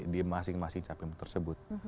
di masing masing capim tersebut